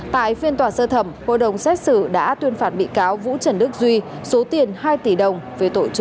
tại phiên tòa sơ thẩm hội đồng xét xử đã tuyên phạt bị cáo vũ trần đức duy số tiền hai tỷ đồng về tội trốn